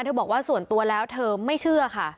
บอกว่าส่วนตัวแล้วเธอไม่เชื่อค่ะ